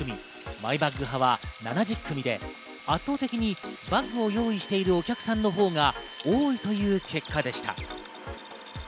マイバッグ派は７０組で圧倒的にバッグを用意しているお客さんのほうが多いという結果でした。